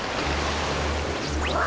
うわ！